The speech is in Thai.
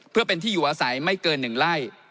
เพื่อเป็นที่อยู่อาศัยไม่เกิน๑ไร่